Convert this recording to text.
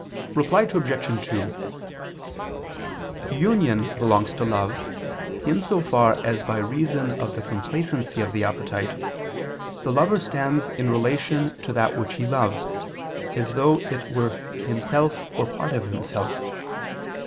Reply Obj. 2: Union belongs to love in so far as by reason of the complacency of the appetite, the lover stands in relation to that which he loves, as though it were himself or part of himself.